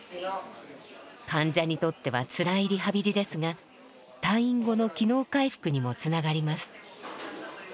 患者にとってはつらいリハビリですが退院後の機能回復にもつながります。